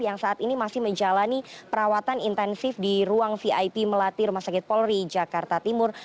yang saat ini masih menjalani perawatan intensif di ruang vip melati rumah sakit polri jakarta timur